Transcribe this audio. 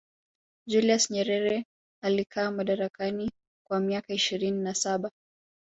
julius nyerere alikaa madarakani kwa miaka ishirini na saba